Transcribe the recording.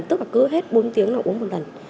tức là cứ hết bốn tiếng là uống một lần